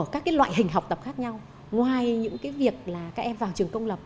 các loại hình học tập khác nhau ngoài những cái việc là các em vào trường công lập